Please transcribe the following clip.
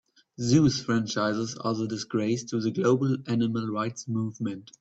Zoos franchises are a disgrace to the global animal rights movement.